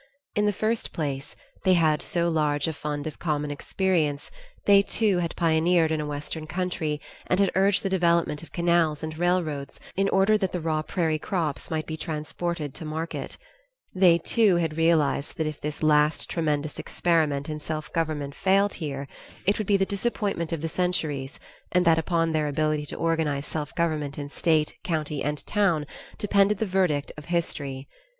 In the first place, they had so large a fund of common experience; they too had pioneered in a western country, and had urged the development of canals and railroads in order that the raw prairie crops might be transported to market; they too had realized that if this last tremendous experiment in self government failed here, it would be the disappointment of the centuries and that upon their ability to organize self government in state, county, and town depended the verdict of history.